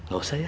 gak usah ya